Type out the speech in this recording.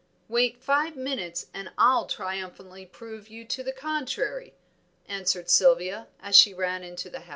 "Wait five minutes and I'll triumphantly prove to the contrary," answered Sylvia, as she ran into the house.